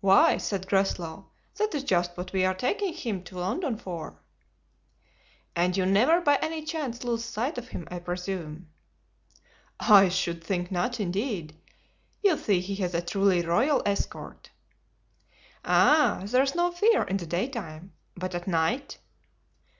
"Why," said Groslow, "that is just what we are taking him to London for." "And you never by any chance lose sight of him, I presume?" "I should think not, indeed. You see he has a truly royal escort." "Ay, there's no fear in the daytime; but at night?"